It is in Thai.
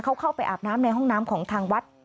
เขาเข้าไปอาบน้ำในห้องน้ำของทางวัด